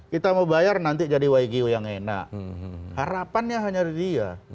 kita mau bayar nanti jadi yg yang enak harapannya hanya di dia